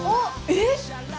えっ？